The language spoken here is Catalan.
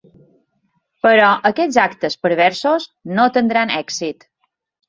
Però aquests actes perversos no tindran èxit.